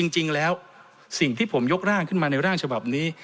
จริงแล้วสิ่งที่ผมยกร่างขึ้นมาในร่างฉบับนี้